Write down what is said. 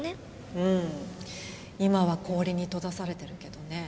うん今は氷に閉ざされてるけどね。